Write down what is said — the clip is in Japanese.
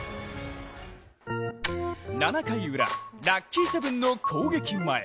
７回ウラ、ラッキーセブンの攻撃前。